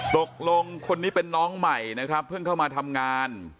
ตกลงคนนี้เป็นน้องใหม่นะครับเพิ่งเข้ามาทำงาน